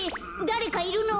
だれかいるの？